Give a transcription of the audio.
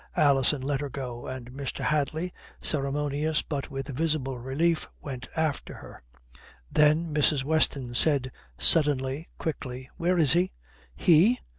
Alison let her go, and Mr. Hadley, ceremonious but with visible relief, went after her. Then Mrs. Weston said suddenly, quickly, "Where is he?" "He?"